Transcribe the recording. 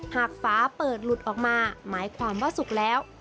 ฟ้าเปิดหลุดออกมาหมายความว่าสุกแล้ว